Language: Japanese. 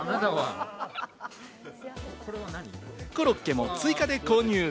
コロッケも追加で購入。